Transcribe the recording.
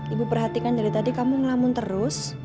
ibu perhatikan dari tadi kamu ngelamun terus